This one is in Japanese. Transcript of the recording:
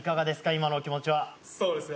今のお気持ちはそうですね